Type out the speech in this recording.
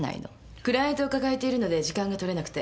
クライアントを抱えているので時間がとれなくて。